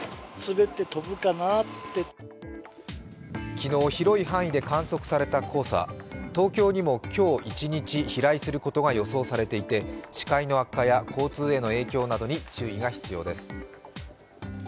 昨日、広い範囲で観測された黄砂東京にも今日一日、飛来することが予想されていて視界の悪化や交通への影響などに注意が必要です。